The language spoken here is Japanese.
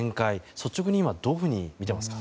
率直に今どういうふうに見ていますか。